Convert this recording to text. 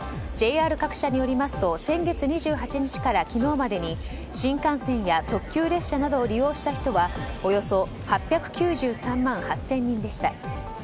ＪＲ各社によりますと先月２８日から昨日までに新幹線や特急列車を利用した人はおよそ８９３万８０００人でした。